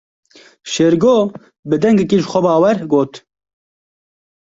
Şêrgo bi dengekî jixwebawer got.